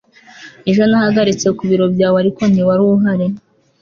ejo nahagaritse ku biro byawe, ariko ntiwari uhari